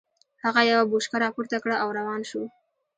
هغه يوه بوشکه را پورته کړه او روان شو.